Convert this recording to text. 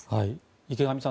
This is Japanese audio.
池上さん